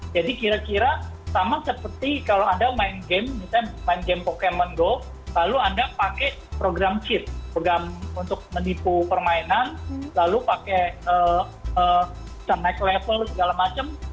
jadi kira kira sama seperti kalau anda main game misalnya main game pokemon go lalu anda pakai program cheat program untuk menipu permainan lalu pakai turn like level segala macam